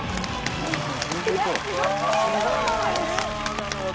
なるほど！